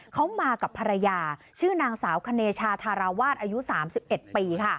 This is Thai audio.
เขามากับภรรยาชื่อนางสาวคเนชาธาราวาสอายุ๓๑ปีค่ะ